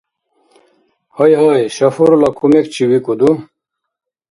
— Гьайгьай. Шоферла кумекчи викӏуду?